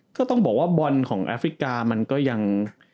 ก็ต้องบอกว่าบอลของแอฟริกามันก็ยัง